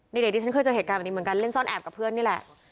เด็กที่ฉันเคยเจอเหตุการณ์แบบนี้เหมือนกันเล่นซ่อนแอบกับเพื่อนนี่แหละ